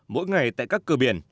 mỗi ngày tại các cửa biển